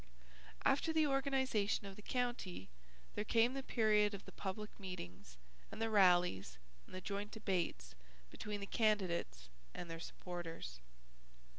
After the organization of the county there came the period of the public meetings and the rallies and the joint debates between the candidates and their supporters.